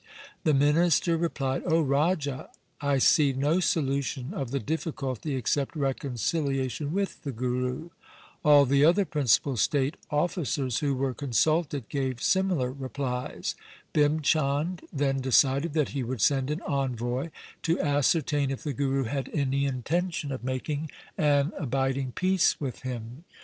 ' The minister replied, ' O Raja, I see no solution of the difficulty except reconciliation with the Guru.' All the other principal state officers who were consulted gave similar replies. Bhim Chand then decided that he would send an envoy to ascertain if the Guru had any intention of making an abiding peace with him.